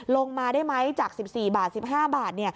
ลงมาได้ไหมจาก๑๔บาท๑๕บาท